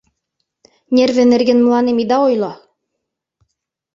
Нерве нерген мыланем ида ойло...